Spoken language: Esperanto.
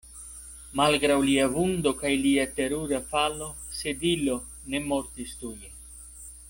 Malgraŭ lia vundo kaj lia terura falo, Sedilo ne mortis tuje.